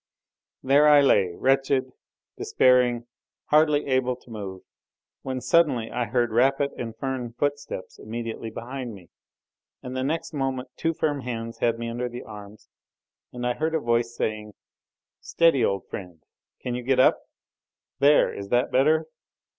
There I lay, wretched, despairing, hardly able to move, when suddenly I heard rapid and firm footsteps immediately behind me, and the next moment two firm hands had me under the arms, and I heard a voice saying: "Steady, old friend. Can you get up? There! Is that better?"